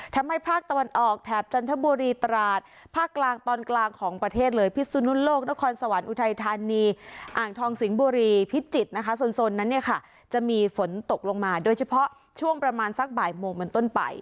ทำให้ภาคตะวันออกแถบจันทบุรีตราต